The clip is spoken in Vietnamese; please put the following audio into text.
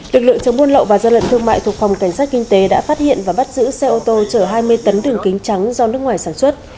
lực lượng chống buôn lậu và gian lận thương mại thuộc phòng cảnh sát kinh tế đã phát hiện và bắt giữ xe ô tô chở hai mươi tấn đường kính trắng do nước ngoài sản xuất